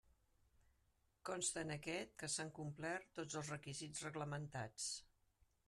Consta en aquest que s'han complert tots els requisits reglamentats.